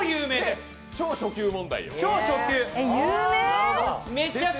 超初級問題よ。